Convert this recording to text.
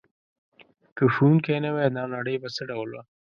که ښوونکی نه وای دا نړۍ به څه ډول وه؟